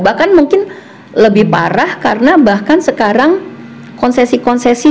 bahkan mungkin lebih parah karena bahkan sekarang konsesi konsesi